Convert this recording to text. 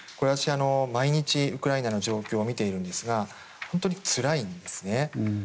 私、毎日ウクライナの状況を見ているんですが本当につらいんですね。